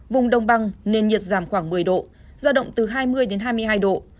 vùng đông băng nền nhiệt giảm khoảng một mươi độ ra động từ hai mươi đến hai mươi hai độ